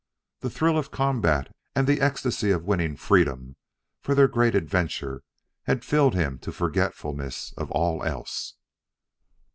The thrill of combat and the ecstasy of winning freedom for their great adventure had filled him to forgetfulness of all else.